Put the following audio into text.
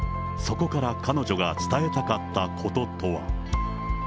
そこから彼女が伝えたかったこととは。